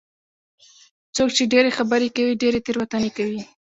څوک چې ډېرې خبرې کوي، ډېرې تېروتنې کوي.